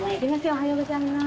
おはようございます。